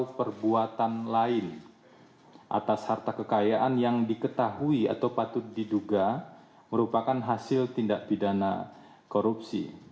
satu perbuatan lain atas harta kekayaan yang diketahui atau patut diduga merupakan hasil tindak pidana korupsi